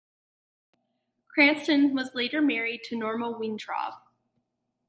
Cranston was later married to Norma Weintraub.